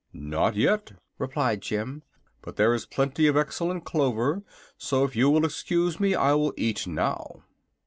"Not yet," replied Jim. "But here is plenty of excellent clover, so if you will excuse me I will eat now."